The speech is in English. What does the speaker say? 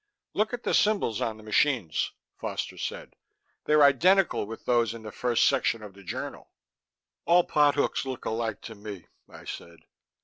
"Look at the symbols on the machines," Foster said. "They're identical with those in the first section of the journal." "All pot hooks look alike to me," I said.